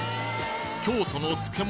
京都の漬物